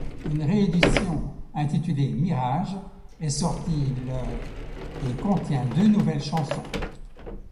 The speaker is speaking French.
Une réédition intitulé Mirage est sortie le et contient deux nouvelles chansons.